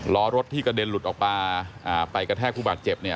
ล้อรถที่กระเด็นหลุดออกมาไปกระแทกผู้บาดเจ็บเนี่ย